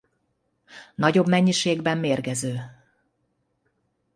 Nagyobb mennyiségben mérgező.